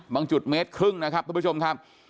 จุดเมตรครึ่งนะครับทุกผู้ชมครับ